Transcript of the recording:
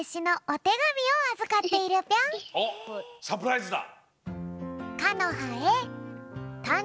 サプライズだ！